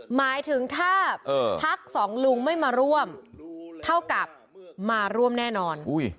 หมายถึงถ้าพักสองลุงไม่มาร่วมเท่ากับมาร่วมแน่นอน